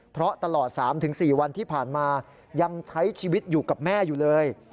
เพราะตลอด๓๔วันที่ผ่านมายังใช้ชีวิตอยู่กับแม่อยู่เลย